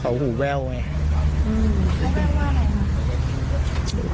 เขาแว่วว่าไงครับ